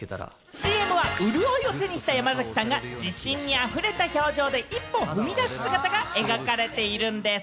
ＣＭでは潤いを手にした山崎さんが自信にあふれた表情で一歩踏み出す姿が描かれているんです。